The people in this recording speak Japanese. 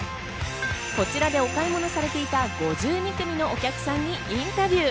こちらでお買い物されていた５２組のお客さんにインタビュー。